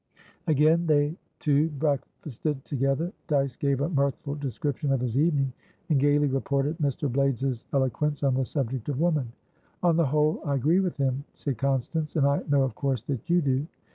Again they two breakfasted together. Dyce gave a mirthful description of his evening, and gaily reported Mr. Blaydes's eloquence on the subject of woman. "On the whole, I agree with him," said Constance. "And I know, of course, that you do."